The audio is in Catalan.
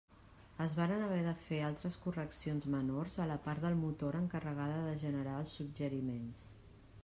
Es varen haver de fer altres correccions menors a la part del motor encarregada de generar els suggeriments.